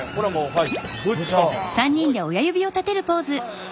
はい。